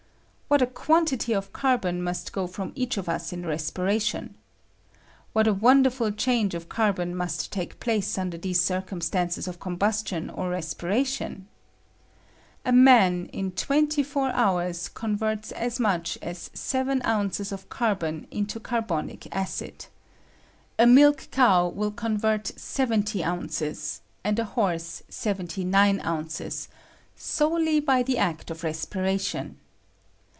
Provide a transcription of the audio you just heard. What a quantity of carbon must go from each of us in respiration ! What a wonderful change of carbon must take place under these circumstances of combustion or respiration I A man in twenty four hours con verts as much aa seven ounces of carbon into carbonic acid ; a milch cow will convert seven ty ounces, and a horse seventy nine ounces, solely by the act of respiration.